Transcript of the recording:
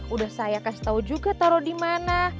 udah saya kasih tau juga taruh dimana